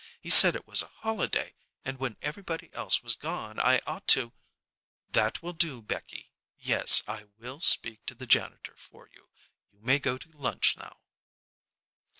He said it was a holiday, and when everybody else was gone I ought to " "That will do, Becky. Yes, I will speak to the janitor for you. You may go to lunch now."